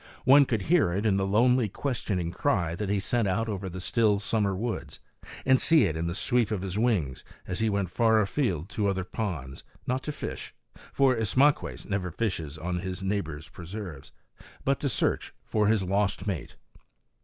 One could hear it in the lonely, questioning cry that he sent out over the still summer woods; and see it in the sweep of his wings as he went far afield to other ponds, not to fish, for Ismaques never fishes on his neighbor's preserves, but to search for his lost mate.